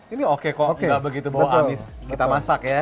ini oke kok gak begitu bawa amis kita masak ya